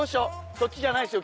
そっちじゃないですよ。